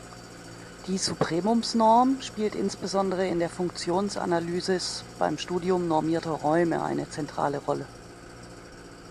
Die Supremumsnorm spielt insbesondere in der Funktionalanalysis beim Studium normierter Räume eine zentrale Rolle.